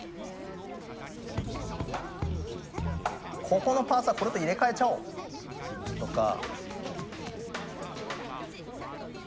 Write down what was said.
ここのパーツはこれと入れ替えちゃおうとか。